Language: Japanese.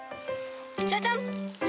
じゃじゃん。